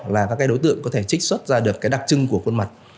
là các đối tượng có thể trích xuất ra được đặc trưng của khuôn mặt